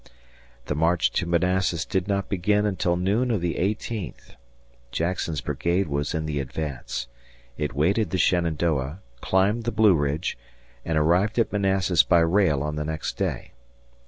The march to Manassas did not begin until noon of the eighteenth. Jackson's brigade was in the advance. It waded the Shenandoah, climbed the Blue Ridge, and arrived at Manassas by rail on the next day.